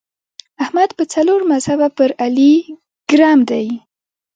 احمد په څلور مذهبه پر علي ګرم دی.